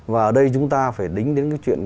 và ở đây chúng ta phải tính đến cái chuyện